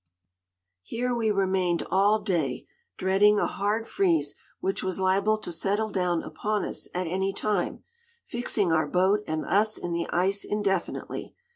Here we remained all day, dreading a hard freeze which was liable to settle down upon us at any time, fixing our boat and us in the ice indefinitely.